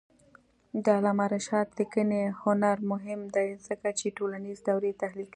د علامه رشاد لیکنی هنر مهم دی ځکه چې ټولنیز دورې تحلیل کوي.